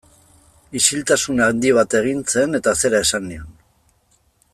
Isiltasun handi bat egin zen eta zera esan nion.